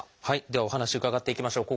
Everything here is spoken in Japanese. ではお話伺っていきましょう。